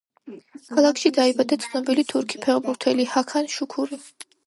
ქალაქში დაიბადა ცნობილი თურქი ფეხბურთელი ჰაქან შუქური.